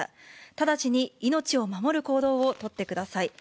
直ちに命を守る行動を取ってください。